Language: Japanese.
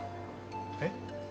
えっ？